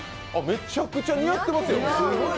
めちゃくちゃ似合ってますよ。